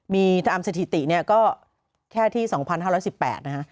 มีตามสถิติก็แค่ที่๒๕๑๘นะคะ